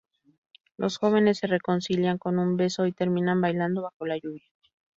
Los jóvenes se reconcilian con un beso y terminan bailando bajo la lluvia.